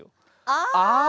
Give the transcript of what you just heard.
ああ！